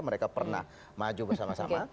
mereka pernah maju bersama sama